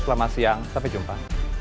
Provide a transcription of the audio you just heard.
selamat siang sampai jumpa